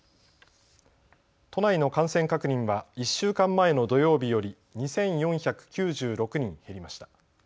都内の感染確認は１週間前の土曜日より２４９６人減りました。